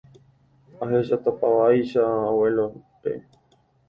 ahechahechapátavaicha abuélape